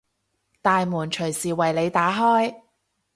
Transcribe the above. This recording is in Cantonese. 大門隨時為你打開